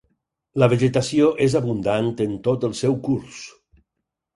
La vegetació és abundant en tot el seu curs.